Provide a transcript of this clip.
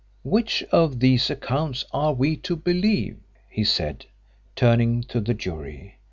"Which of these accounts are we to believe?" he said, turning to the jury.